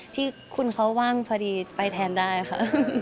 ที่คุณเขาว่างพอดีไปแทนได้ค่ะ